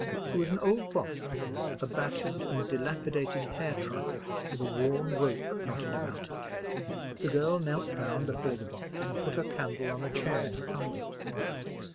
There was an old box, a battered and dilapidated hair trunk, with a worn rope knotted about it. The girl knelt down before the box, and put her candle on a chair beside it.